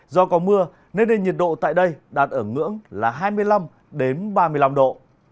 do có mưa nên nền nhiệt độ tại đây đạt ở ngưỡng là hai mươi năm ba mươi năm độ